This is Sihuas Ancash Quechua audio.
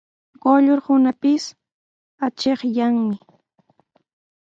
Quyllurkunapis achikyanmi.